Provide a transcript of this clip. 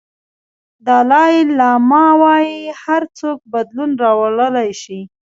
دالای لاما وایي هر څوک بدلون راوړلی شي.